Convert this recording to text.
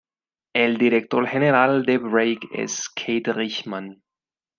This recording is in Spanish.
El director general de Break es Keith Richman.